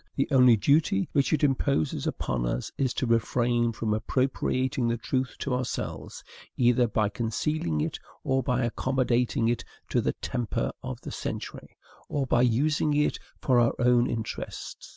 The only duty which it imposes upon us is to refrain from appropriating the truth to ourselves, either by concealing it, or by accommodating it to the temper of the century, or by using it for our own interests.